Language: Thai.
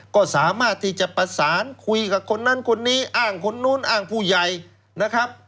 ก็สามารถที่จะประสานคุยกับคนนั้นคนนี้อ้างคนนู้นอ้างผู้ใหญ่นะครับ